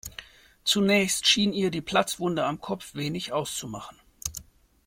Zunächst schien ihr die Platzwunde am Kopf wenig auszumachen.